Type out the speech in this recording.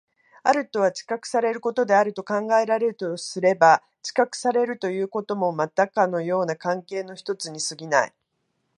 あるとは知覚されることであると考えられるとすれば、知覚されるということもまたかような関係の一つに過ぎない。